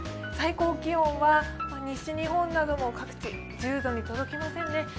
最高気温は西日本なども各地１０度に届きませんね。